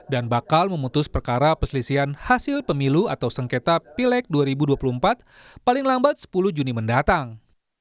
dan bakal memutus perkara peselisian hasil pemilu atau sengketa pileg dua ribu dua puluh empat paling lambat sepuluh juni mendatang